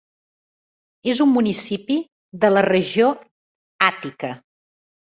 És un municipi de la regió Àtica.